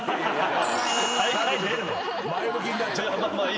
前向きになっちゃって。